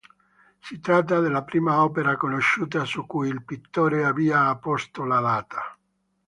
Si tratta della prima opera conosciuta su cui il pittore abbia apposto la data.